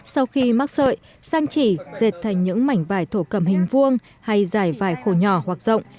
sau khi mắc sợi sang chỉ dệt thành những mảnh vải thổ cầm hình vuông hay giải vải khổ nhỏ hoặc rộng